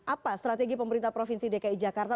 apa strategi pemerintah provinsi dki jakarta